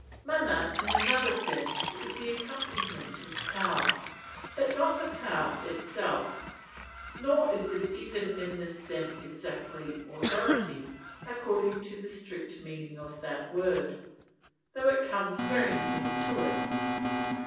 Mana in another sense is the accompaniment of power, but not the power itself: nor is it even in this sense exactly "authority," according to the strict meaning of that word, though it comes very near it.